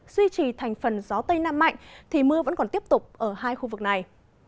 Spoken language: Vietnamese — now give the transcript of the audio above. duy trì thành phần gió tây nam mạnh thì mưa vẫn còn tiếp tục ở hai khu vực này